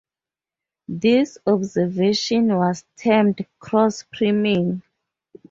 This observation was termed "cross-priming".